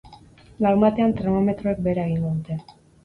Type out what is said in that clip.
Larunbatean termometroek behera egingo dute.